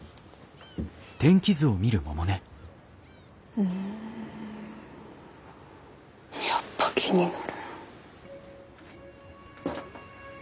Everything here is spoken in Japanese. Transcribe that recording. うんやっぱ気になるな。